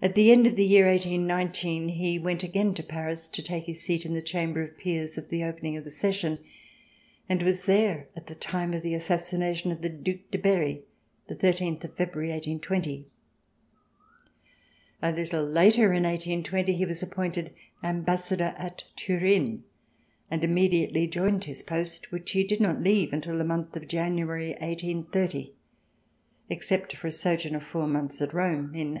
At the end of the year 18 19, he went again to Paris to take his seat in the Chamber of Peers, at the opening of the session, and was there at the time of the assassination of the Due de Berry, the thirteenth of February, 1820. A little later in 1820, he was appointed Ambassador at Turin and immediately joined his post, which he did not leave until the month of January, 1830, except for a sojourn of four months at Rome in 1824.